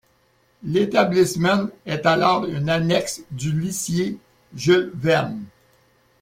L'établissement est alors une annexe du lycée Jules-Verne.